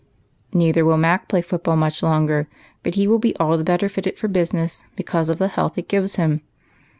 " Neither will Mac play foot ball much longer, but he will be all the better fitted for business, because of the health it gives him.